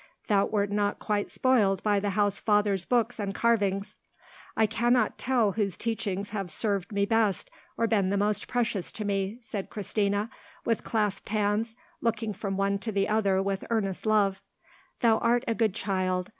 Thou wert not quite spoilt by the housefather's books and carvings." "I cannot tell whose teachings have served me best, or been the most precious to me," said Christina, with clasped hands, looking from one to another with earnest love. "Thou art a good child.